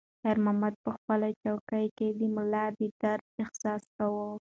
خیر محمد په خپله چوکۍ کې د ملا د درد احساس کاوه.